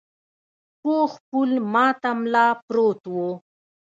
پوخ پل ماته ملا پروت و.